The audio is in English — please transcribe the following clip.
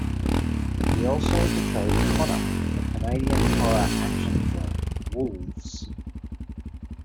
He also portrayed Connor in the Canadian horror action film "Wolves".